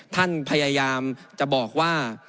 ท่านพยายามจะบอกว่า